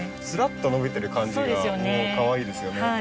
スラッと伸びてる感じがもうかわいいですよね。